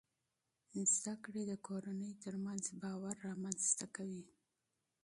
تعلیم د کورنۍ ترمنځ باور رامنځته کوي.